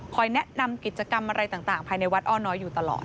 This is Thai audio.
แนะนำกิจกรรมอะไรต่างภายในวัดอ้อน้อยอยู่ตลอด